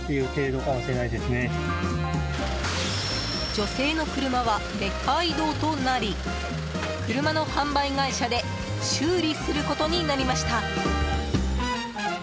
女性の車はレッカー移動となり車の販売会社で修理することになりました。